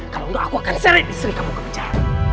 kalau enggak aku akan seret istri kamu ke penjara